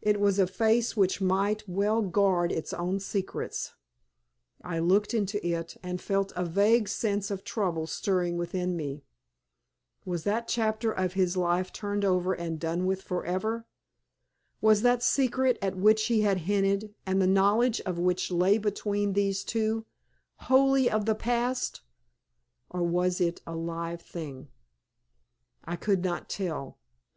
It was a face which might well guard its own secrets. I looked into it, and felt a vague sense of trouble stirring within me. Was that chapter of his life turned over and done with forever? Was that secret at which he had hinted, and the knowledge of which lay between these two, wholly of the past, or was it a live thing? I could not tell.